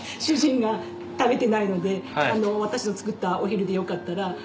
主人が食べてないので私の作ったお昼でよかったら。